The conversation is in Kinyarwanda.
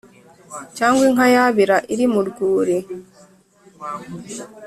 cyangwa inka yabira iri mu rwuri’